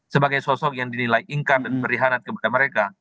sebagai sosok yang dinilai ingkar dan merihanat kepada mereka